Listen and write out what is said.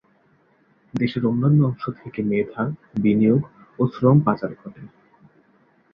দেশের অন্যান্য অংশ থেকে মেধা, বিনিয়োগ ও শ্রম পাচার ঘটে।